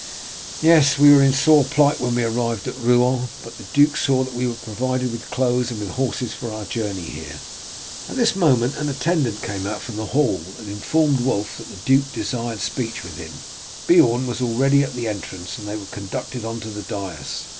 "Yes, we were in sore plight when we arrived at Rouen, but the duke saw that we were provided with clothes and with horses for our journey here." At this moment an attendant came out from the hall and informed Wulf that the duke desired speech with him. Beorn was already at the entrance, and they were conducted on to the dais.